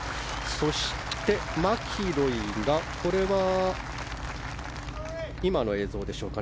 そして、マキロイが今の映像でしょうか。